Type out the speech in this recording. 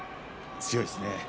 強いですね。